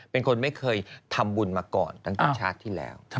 เป็นคนไม่เคยทำบุญมาก่อนตั้งแต่ชาติที่แล้ว